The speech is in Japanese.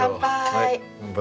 乾杯！